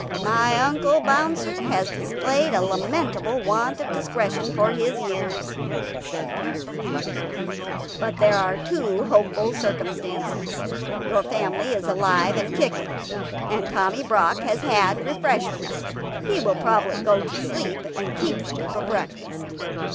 "My Uncle Bouncer has displayed a lamentable want of discretion for his years;" said Peter reflectively, "but there are two hopeful circumstances. Your family is alive and kicking; and Tommy Brock has had refreshments. He will probably go to sleep, and keep them for breakfast."